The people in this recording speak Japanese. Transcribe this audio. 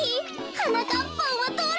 はなかっぱんはどれ？